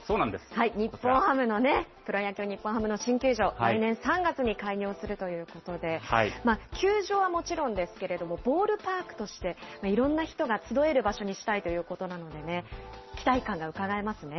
日本ハムのね、プロ野球・日本ハムの新球場、来年３月に開業するということで、球場はもちろんですけれども、ボールパークとして、いろんな人が集える場所にしたいということなのでね、期待感がうかがえますね。